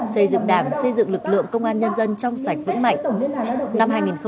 xây dựng đảng xây dựng lực lượng công an nhân dân trong sạch vững mạnh